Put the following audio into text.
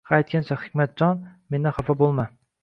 Ha aytgancha, Hikmatjon, mendan xafa boʻlma.